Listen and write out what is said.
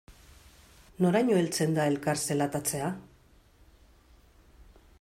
Noraino heltzen da elkar zelatatzea?